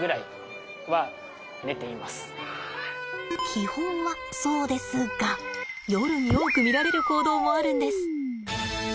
基本はそうですが夜に多く見られる行動もあるんです。